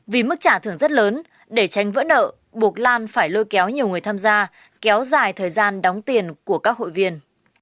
vì mức trả thưởng rất lớn để tranh vỡ nợ buộc lan phải lôi kéo nhiều người tham gia kéo dài thời gian đóng tiền của các hội viên